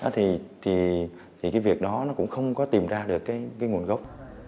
thì cái việc đó nó cũng không có tìm ra được cái nguồn gốc